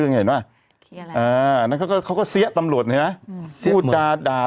เงียบปากไว้เคี้ยวข้าวดีกว่ะ